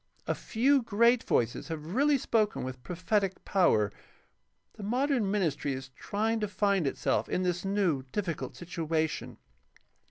A few great voices have really spoken with prophetic power. The modern ministry is trying to find itself in this new, difficult situation.